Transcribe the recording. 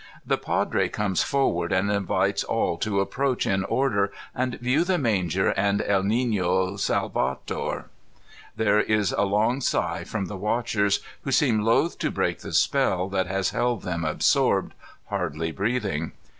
The Padre comes forward and invites all to approach in order, and view the manger and El Nifio Salvador. There is a long sigh from the watchers, who seem loath to break the spell that has held them absorbed, hardly breathing.